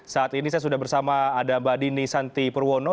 saat ini saya sudah bersama ada mbak dini santi purwono